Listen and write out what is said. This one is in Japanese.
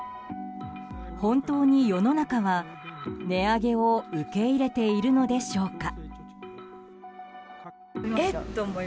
本当に世の中は、値上げを受け入れているのでしょうか？